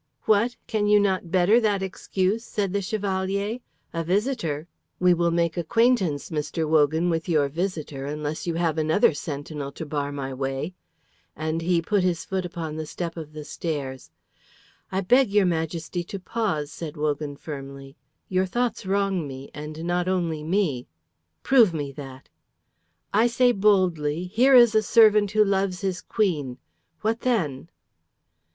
"What? Can you not better that excuse?" said the Chevalier. "A visitor! We will make acquaintance, Mr. Wogan, with your visitor, unless you have another sentinel to bar my way;" and he put his foot upon the step of the stairs. "I beg your Majesty to pause," said Wogan, firmly. "Your thoughts wrong me, and not only me." "Prove me that!" "I say boldly, 'Here is a servant who loves his Queen!' What then?"